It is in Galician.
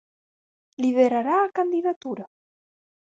Liderará a candidatura?